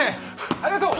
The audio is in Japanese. ありがとう！